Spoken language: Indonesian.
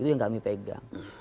itu yang kami pegang